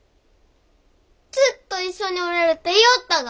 ずっと一緒におれるって言よおったが？